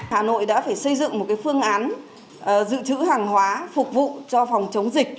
hà nội đã phải xây dựng một phương án dự trữ hàng hóa phục vụ cho phòng chống dịch